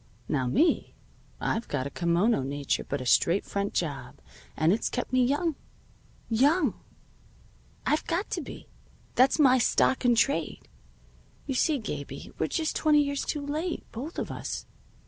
Now me, I've got a kimono nature but a straight front job, and it's kept me young. Young! I've got to be. That's my stock in trade. You see, Gabie, we're just twenty years late, both of us.